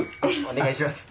お願いします。